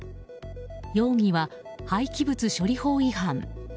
容疑は廃棄物処理法違反。